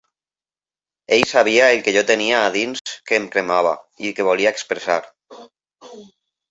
Ell sabia el que jo tenia a dins que em cremava i que volia expressar.